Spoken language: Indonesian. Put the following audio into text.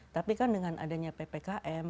tapi kan dengan adanya ppkm